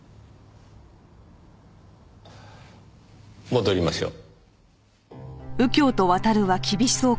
戻りましょう。